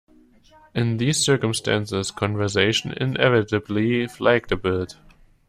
In these circumstances, conversation inevitably flagged a bit.